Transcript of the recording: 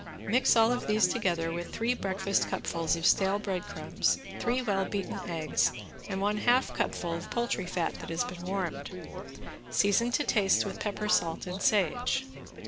Mix all of these together with three breakfast cupfuls of stale breadcrumbs, three well beaten eggs and one half cupful of poultry fat that has been warmed; season to taste with pepper, salt and sage.